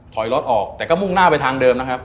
ถอยรถออกแต่ก็มุ่งหน้าไปทางเดิมนะครับ